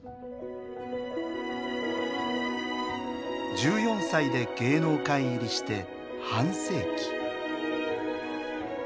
１４歳で芸能界入りして半世紀。